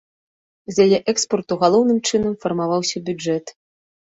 З яе экспарту галоўным чынам фармаваўся бюджэт.